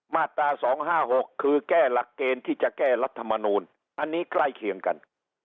มาตรา๒๕๖คือแก้หลักเกณฑ์ที่จะแก้รัฐมนูลอันนี้ใกล้เคียงกัน